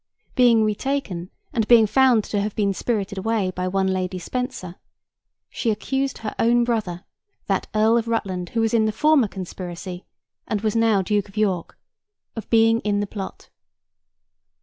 Being retaken, and being found to have been spirited away by one Lady Spencer, she accused her own brother, that Earl of Rutland who was in the former conspiracy and was now Duke of York, of being in the plot.